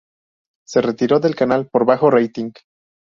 Se retiró del canal por bajo rating.